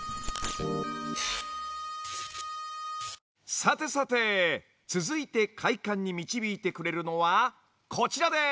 さてさて続いて快感に導いてくれるのはこちらです。